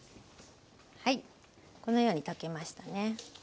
このように溶けましたね。